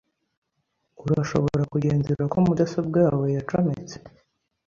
Urashobora kugenzura ko mudasobwa yawe yacometse?